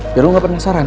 biar lo gak penasaran